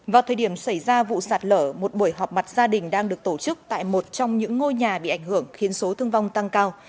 vào thời điểm xảy ra vụ sạt lở một buổi họp mặt gia đình đang được tổ chức tại một trong những ngôi nhà bị ảnh hưởng khiến số thương vong tăng cao